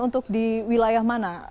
untuk di wilayah mana